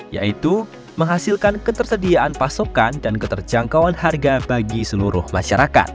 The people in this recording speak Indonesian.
yaitu menghasilkan ketersediaan pasokan dan keterjangkauan harga bagi seluruh masyarakat